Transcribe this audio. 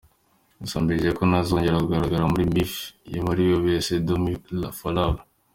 Gusa mbijeje ko ntazongera kugaragara muri beef yuwariwe wese do me for love.